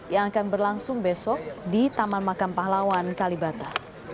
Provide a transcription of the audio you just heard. yang akan berlangsung besok di taman makam pahlawan kalibata